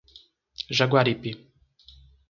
Jaguaripe